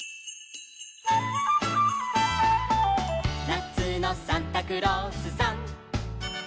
「なつのサンタクロースさん」